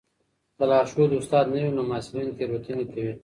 که لارښود استاد نه وي نو محصلین تېروتنې کوي.